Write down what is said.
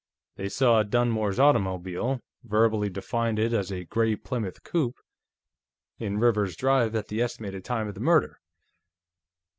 They saw Dunmore's automobile, verbally defined as a 'gray Plymouth coupé' in Rivers's drive at the estimated time of the murder.